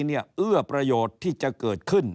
เอื้อประโยชน์ที่จะเกิดขึ้น